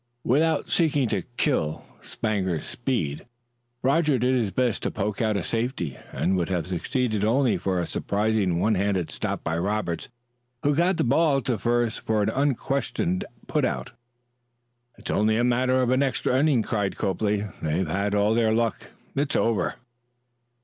Without seeking to "kill" Sanger's speed, Roger did his best to poke out a safety, and would have succeeded only for a surprising one handed stop by Roberts, who got the ball to first for an unquestioned put out. "It's only a matter of an extra inning," cried Copley. "They've had all their luck; it's over."